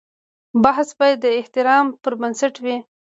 بحث باید د احترام پر بنسټ وي.